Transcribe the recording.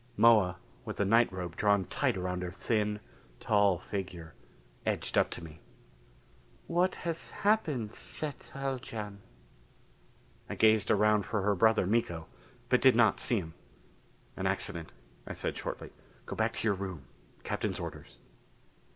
Moa, with a nightrobe drawn tight around her thin, tall figure, edged up to me. "What has happened, Set Haljan?" I gazed around for her brother Miko, but did not see him. "An accident," I said shortly. "Go back to your room. Captain's orders."